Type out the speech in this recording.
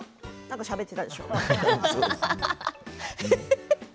なんかしゃべってたでしょ？